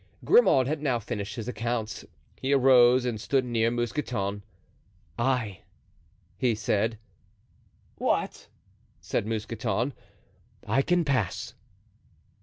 Grimaud had now finished his accounts. He arose and stood near Mousqueton. "I," he said. "What?" said Mousqueton. "I can pass."